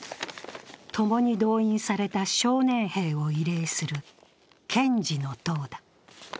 共に動員された少年兵を慰霊する健児の塔だ。